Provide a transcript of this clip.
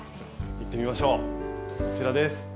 行ってみましょうこちらです。